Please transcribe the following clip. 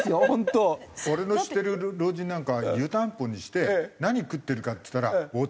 俺の知ってる老人なんかは湯たんぽにして何食ってるかっつったら「大竹缶詰ってうまいな」